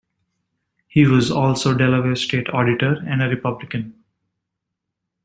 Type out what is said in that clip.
He was also Delaware state auditor and a Republican.